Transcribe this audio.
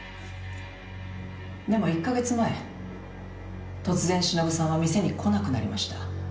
「でも１カ月前突然しのぶさんは店に来なくなりました」